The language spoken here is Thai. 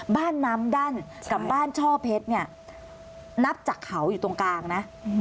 บ้านน้ำดั้นกับบ้านช่อเพชรเนี่ยนับจากเขาอยู่ตรงกลางนะ